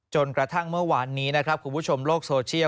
จนกระทั่งเมื่อวานนี้นะครับคุณผู้ชมโลกโซเชียล